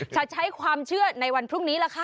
จะใช้ความเชื่อในวันพรุ่งนี้ล่ะค่ะ